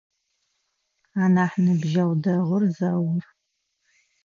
Анахь ныбджэгъу дэгъур Заур.